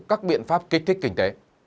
các biện pháp kích thích kinh tế